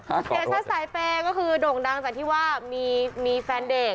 เสียชัดสายเปย์ก็คือโด่งดังจากที่ว่ามีแฟนเด็ก